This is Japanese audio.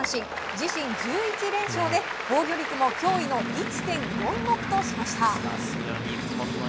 自身１１連勝で防御率も驚異の１．４６としました。